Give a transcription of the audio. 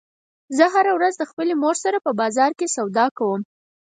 زه هره ورځ د خپلې مور سره په بازار کې سودا کوم